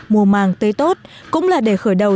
mùa màng tây tốt cũng là để khởi đầu